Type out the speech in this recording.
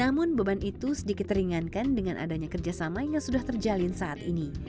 namun beban itu sedikit teringankan dengan adanya kerja sama yang sudah terjalin saat ini